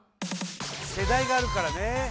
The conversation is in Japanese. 世代があるからね